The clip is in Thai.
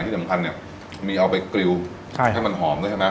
ที่สำคัญเนี่ยมีเอาไปกลิวให้มันหอมด้วยใช่ไหม